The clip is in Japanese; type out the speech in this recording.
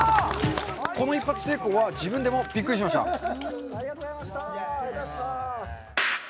この一発成功は自分でもびっくりしましたありがとうございましたありがとうございました